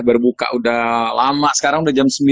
berbuka sudah lama sekarang sudah jam sembilan